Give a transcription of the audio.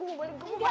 enggak enggak enggak